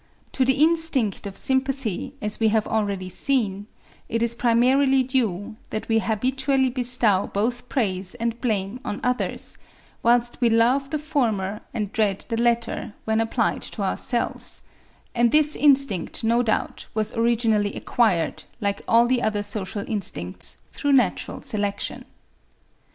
To the instinct of sympathy, as we have already seen, it is primarily due, that we habitually bestow both praise and blame on others, whilst we love the former and dread the latter when applied to ourselves; and this instinct no doubt was originally acquired, like all the other social instincts, through natural selection.